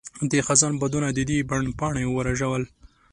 د خزان بادونو د دې بڼ پاڼې ورژول.